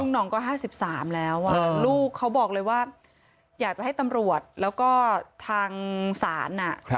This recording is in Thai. ห่องก็๕๓แล้วลูกเขาบอกเลยว่าอยากจะให้ตำรวจแล้วก็ทางศาล